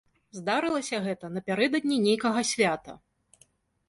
Здарылася гэта напярэдадні нейкага свята.